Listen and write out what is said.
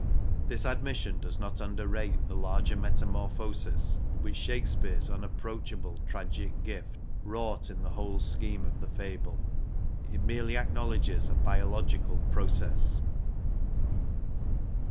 This admission does not underrate the larger metamorphosis, which Shakespeare's unapproachable tragic gift wrought in the whole scheme of the fable ; it merely acknowledges a biological process.